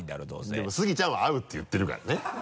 でもスギちゃんは合うって言ってるからね。